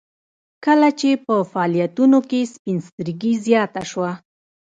کله چې په فعالیتونو کې سپین سترګي زیاته شوه